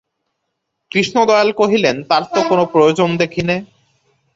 কৃষ্ণদয়াল কহিলেন, তার তো কোনো প্রয়োজন দেখি নে।